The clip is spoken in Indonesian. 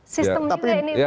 sistem juga ini pak